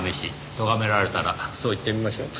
とがめられたらそう言ってみましょう。